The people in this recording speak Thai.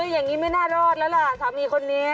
อย่างนี้ไม่น่ารอดแล้วล่ะสามีคนนี้